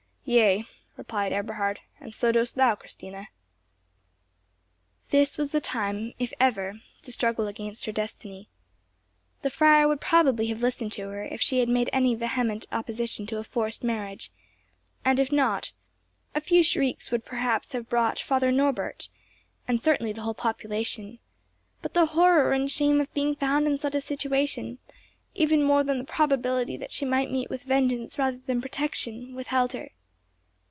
"Yea," replied Eberhard, "and so dost thou, Christina." This was the time if ever to struggle against her destiny. The friar would probably have listened to her if she had made any vehement opposition to a forced marriage, and if not, a few shrieks would have brought perhaps Father Norbert, and certainly the whole population; but the horror and shame of being found in such a situation, even more than the probability that she might meet with vengeance rather than protection, withheld her.